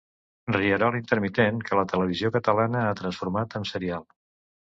Rierol intermitent que la televisió catalana ha transformat en serial.